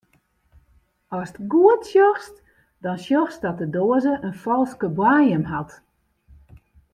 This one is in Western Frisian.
Ast goed sjochst, dan sjochst dat de doaze in falske boaiem hat.